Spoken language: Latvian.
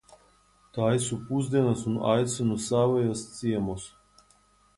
Taisu pusdienas un aicinu savējos ciemos.